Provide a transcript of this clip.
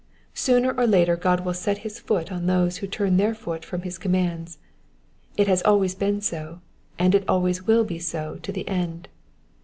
Sooner (mt later God will set his foot on those who turn their foot from bis commands : tt has always been so, and it always will be so to the end.